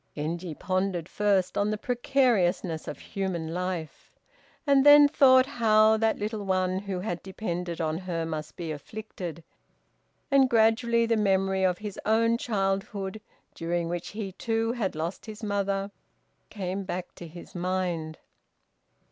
Genji pondered first on the precariousness of human life, and then thought how that little one who had depended on her must be afflicted, and gradually the memory of his own childhood, during which he too had lost his mother, came back to his mind.